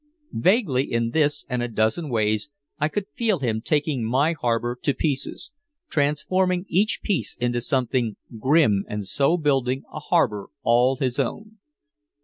Vaguely, in this and a dozen ways, I could feel him taking my harbor to pieces, transforming each piece into something grim and so building a harbor all his own.